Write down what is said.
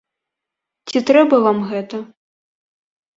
Ці трэба вам гэта?